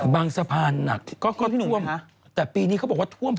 บางสะพานนักที่ท่วม